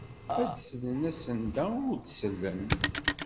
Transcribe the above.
Ad d-slen asenda ur d-sellen.